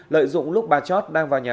lợi dụng lúc bà chót đang vào nhà